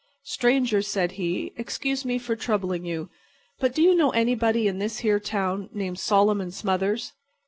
"Stranger," said he, "excuse me for troubling you, but do you know anybody in this here town named Solomon Smothers?